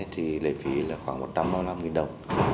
thì lấy phí là khoảng một trăm năm mươi năm đồng